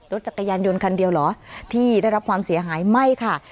รถจักรยานยนต์คันเดียวเหรอที่ได้รับความเสียหายไม่ค่ะ